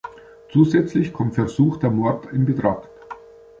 Zusätzlich kommt versuchter Mord in Betracht.